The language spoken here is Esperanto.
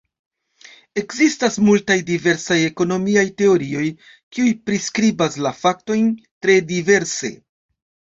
Ekzistas multaj diversaj ekonomiaj teorioj, kiuj priskribas la faktojn tre diverse.